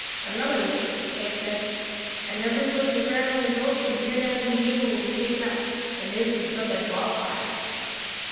"Another week," Abe said, "and every foot of ground in the gulch from here down to the Yuba will be taken up. The news will spread like wildfire."